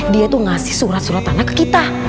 dia tuh ngasih surat surat tanah ke kita